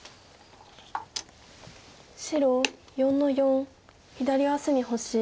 白４の四左上隅星。